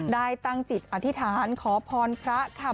ได้ตั้งจิตอธิษฐานขอพรพระค่ะ